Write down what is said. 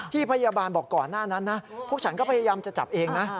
พี่พยาบาลบอกก่อนหน้านั้นนะพวกฉันก็พยายามจะจับเองนะ